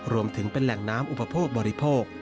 รวมถึงเป็นแหล่งน้ำอุปโภคบริโภค